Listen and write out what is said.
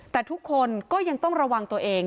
แต่ทุกคนก็ยังต้องระวังตัวเอง